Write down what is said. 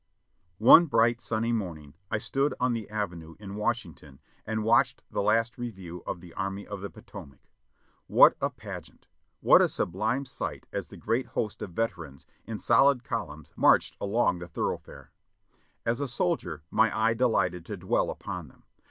One bright, sunny morning I stood on the Avenue in Wash ington and watched the last review of the Army of the Potomac. What a pageant! What a subhme sight as the great host of vet erans in soHd columns marched along the thoroughfare! As a soldier, my eye delighted to dwell upon them.